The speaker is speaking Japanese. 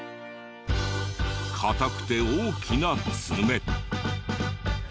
硬くて大きな爪。